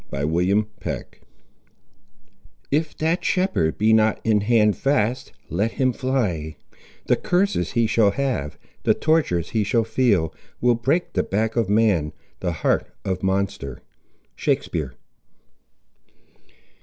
CHAPTER XXIX If that shepherd be not in hand fast, let him fly; the curses he shall have, the tortures he shall feel, will break the back of man, the heart of monster. —Shakespeare.